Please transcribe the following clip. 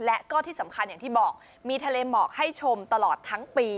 และก็ที่สำคัญอย่างที่บอกมีทะเลหมอกให้ชมตลอดทั้งปี